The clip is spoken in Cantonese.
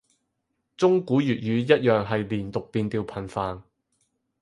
中古粵語一樣係連讀變調頻繁